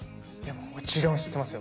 もちろん知ってますよ。